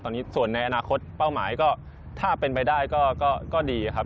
ตอนนี้ส่วนในอนาคตเป้าหมายก็ถ้าเป็นไปได้ก็ดีครับ